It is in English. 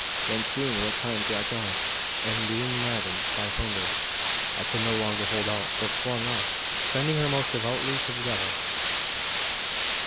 Then, seeing that time dragged on, and being maddened by hunger, I could no longer hold out, but flung off, sending her most devoutly to the devil.